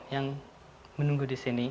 yang menunggu disini